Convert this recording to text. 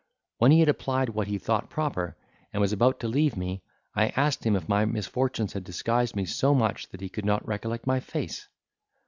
When he had applied what he thought proper, and was about to leave me, I asked him if my misfortunes had disguised me so much that he could not recollect my face?